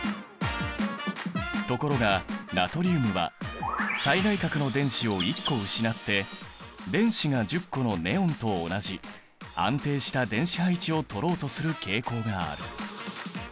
ところがナトリウムは最外殻の電子を１個失って電子が１０個のネオンと同じ安定した電子配置をとろうとする傾向がある。